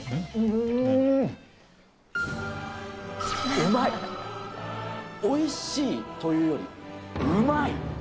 うまい、おいしいというより、うまい。